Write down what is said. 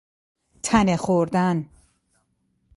تنه خوردن